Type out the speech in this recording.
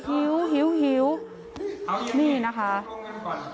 หิวไหลนี่ก๋อัยอาจจะพูดแต่ว่านี่นะคะ